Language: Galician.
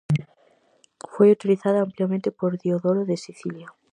Foi utilizada ampliamente por Diodoro de Sicilia.